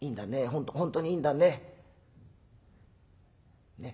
本当にいいんだね。ね？